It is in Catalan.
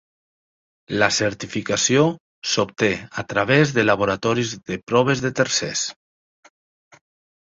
La certificació s'obté a través de laboratoris de proves de tercers.